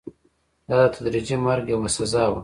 دا د تدریجي مرګ یوه سزا وه.